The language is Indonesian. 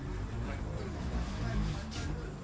bagaimana udah siap siap bos